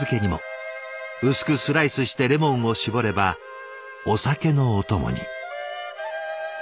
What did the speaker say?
薄くスライスしてレモンを搾ればお酒のお供に。